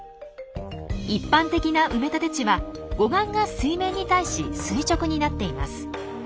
一般的な埋め立て地は護岸が水面に対し垂直になっています。